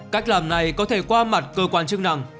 cách làm này có thể qua mặt cơ quan chức năng